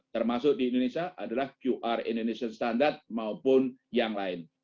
termasuk di indonesia adalah qr indonesian standard maupun yang lain